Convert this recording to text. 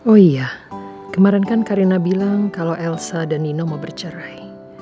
oh iya kemarin kan karina bilang kalau elsa dan nino mau bercerai